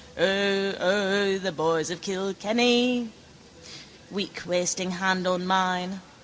O, O the boys of Kilkenny... Weak wasting hand on mine.